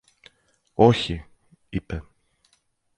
Όχι! είπε.